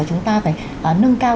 chúng ta phải nâng cao